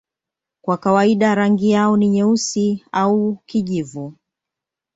Kwa kawaida rangi yao ni nyeusi au kijivu.